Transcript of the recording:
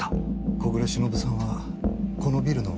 小暮しのぶさんはこのビルの持ち主ですね？